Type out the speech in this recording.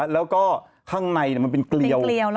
แล้วก็ข้างในมันเป็นเกลียว